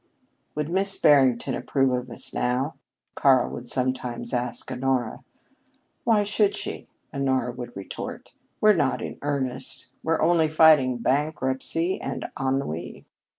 "Would Miss Barrington approve of us now?" Karl would sometimes ask Honora. "Why should she?" Honora would retort. "We're not in earnest. We're only fighting bankruptcy and ennui."